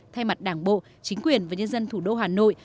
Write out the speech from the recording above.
thay mặt đảng bộ chính quyền và nhân dân thủ đô hà nội